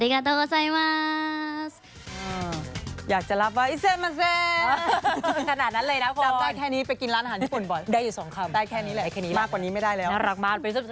ขอบคุณครับ